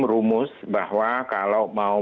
rumus bahwa kalau mau